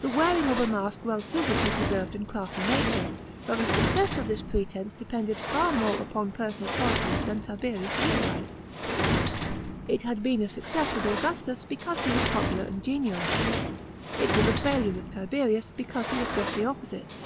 The w<aring of a mask well suited his r< served and crafty nature, but the success of this pretence dep nded lar more on personal qualities than Tiberius realised. It had been a success with Augustus, because he was popular and Menial. It was a failure with Tiberius because he n as just the opposite.